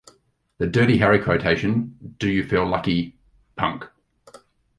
The Dirty Harry quotation Do you feel lucky, punk?